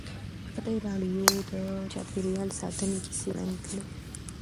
ازادي راډیو د چاپیریال ساتنه کیسې وړاندې کړي.